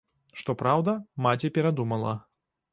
Што праўда, маці перадумала.